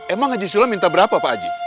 emang haji sula minta berapa pak haji